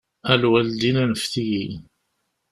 A lwaldin anfet-iyi.